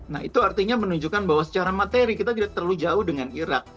nah itu artinya menunjukkan bahwa secara materi kita tidak terlalu jauh dengan iraq